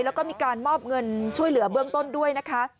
แล้วก็มีการมอบเงินช่วยเหลือเบื้องต้นด้วยนะคะ